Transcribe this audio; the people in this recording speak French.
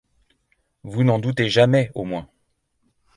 Vous n’en doutez jamais au moins.